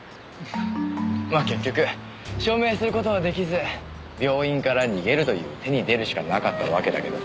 まあ結局証明する事は出来ず病院から逃げるという手に出るしかなかったわけだけど。